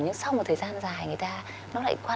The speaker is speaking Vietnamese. nhưng sau một thời gian dài người ta